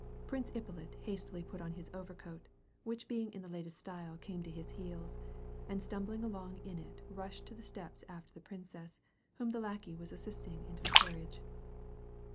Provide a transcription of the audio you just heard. Prince Ippolit hastily put on his overcoat, which being in the latest style came to his heels, and stumbling along in it rushed to the steps after the princess, whom the lackey was assisting into the carriage.